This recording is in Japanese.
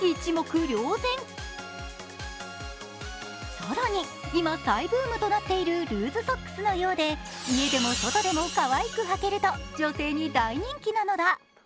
更に、今再ブームとなっているルーズソックスのようで家でも外でもかわいくはけると女性に大人気なのだ。